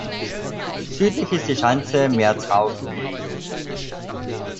Südlich ist die Schanze Merzhausen gelegen.